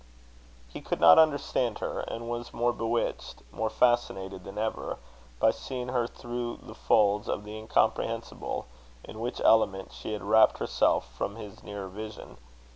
He could not understand her; and was more bewitched, more fascinated than ever, by seeing her through the folds of the incomprehensible, in which element she had wrapped herself from his nearer vision.